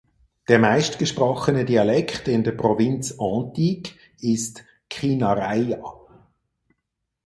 Der meistgesprochene Dialekt in der Provinz Antique ist Kinaray-a.